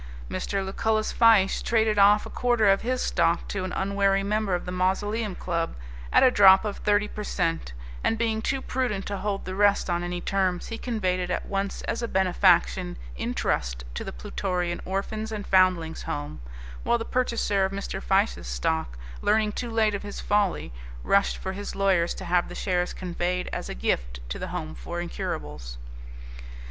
Mr. Lucullus Fyshe traded off a quarter of his stock to an unwary member of the Mausoleum Club at a drop of thirty per cent, and being too prudent to hold the rest on any terms, he conveyed it at once as a benefaction in trust to the Plutorian Orphans' and Foundlings' Home; while the purchaser of Mr. Fyshe's stock, learning too late of his folly, rushed for his lawyers to have the shares conveyed as a gift to the Home for Incurables.